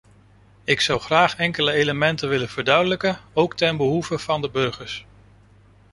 Ik zou graag enkele elementen willen verduidelijken, ook ten behoeve van de burgers.